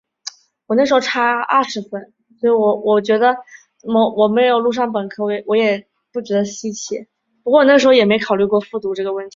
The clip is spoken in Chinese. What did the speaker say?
讳一武。